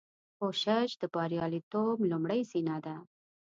کوشش د بریالیتوب لومړۍ زینه ده.